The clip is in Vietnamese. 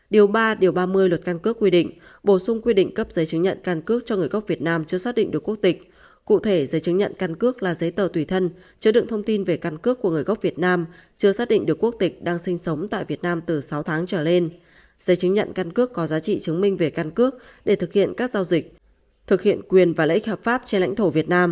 điều ba điều ba mươi luật căn cước quy định bổ sung quy định cấp giấy chứng nhận căn cước cho người gốc việt nam chưa xác định được quốc tịch cụ thể giấy chứng nhận căn cước là giấy tờ tùy thân chứa đựng thông tin về căn cước của người gốc việt nam chưa xác định được quốc tịch đang sinh sống tại việt nam từ sáu tháng trở lên giấy chứng nhận căn cước có giá trị chứng minh về căn cước để thực hiện các giao dịch thực hiện quyền và lợi ích hợp pháp trên lãnh thổ việt nam